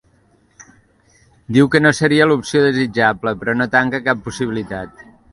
Diu que no seria l’opció desitjable, però no tanca cap possibilitat.